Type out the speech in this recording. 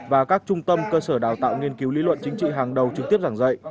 và các trung tâm cơ sở đào tạo nghiên cứu lý luận chính trị hàng đầu trực tiếp giảng dạy